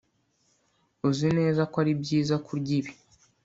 uzi neza ko ari byiza kurya ibi